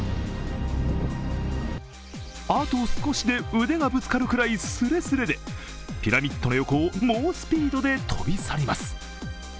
あと少しで腕がぶつかるくらいスレスレで、ピラミッドの横を猛スピードで飛び去ります。